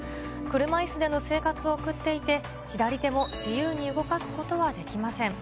車いすでの生活を送っていて、左手も自由に動かすことはできません。